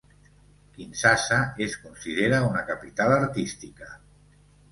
Kinshasa es considera una capital artística.